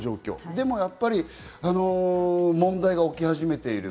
でもやっぱり問題が起き始めている。